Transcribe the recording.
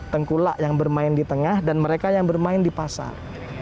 tengkulak yang bermain di tengah dan mereka yang bermain di pasar